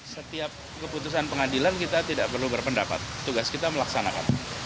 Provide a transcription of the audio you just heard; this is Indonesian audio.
setiap keputusan pengadilan kita tidak perlu berpendapat tugas kita melaksanakan